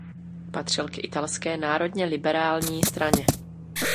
Patřil k italské národně liberální straně.